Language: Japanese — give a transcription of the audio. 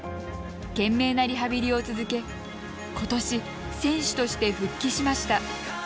懸命なリハビリを続けことし、選手として復帰しました。